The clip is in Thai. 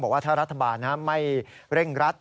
ว่าถ้ารัฐบาลไม่เร่งรัด